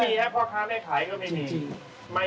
ไม่มีครับเพราะค้าไม่ขายก็ไม่มี